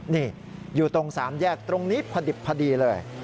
นี่อยู่ตรง๓แยกตรงนี้พอดิบพอดีเลย